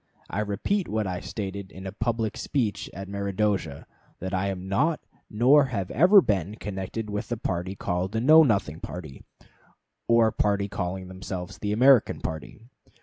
I repeat what I stated in a public speech at Meredosia, that I am not, nor ever have been, connected with the party called the Know Nothing party, or party calling themselves the American party.